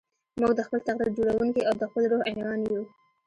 موږ د خپل تقدير جوړوونکي او د خپل روح عنوان يو.